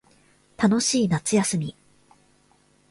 楽しい夏休み